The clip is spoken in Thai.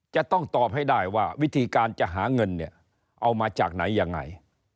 จะต้องตอบให้ได้ว่าวิธีการจะหาเงินเนี่ยเอามาจากไหนยังไง